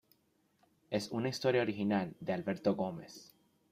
Es una historia original de Alberto Gómez.